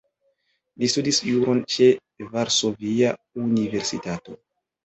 Li studis juron ĉe Varsovia Universitato.